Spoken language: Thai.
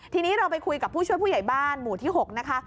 ทีนี้เราไปคุยกับผู้ช่วยผู้ใหญ่บ้านหมู่ที่๖นะคะ